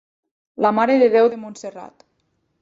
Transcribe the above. La Mare de Déu de Montserrat.